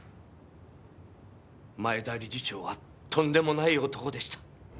前田理事長はとんでもない男でした。